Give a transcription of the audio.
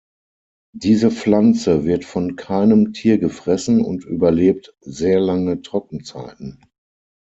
Diese Pflanze wird von keinem Tier gefressen und überlebt sehr lange Trockenzeiten.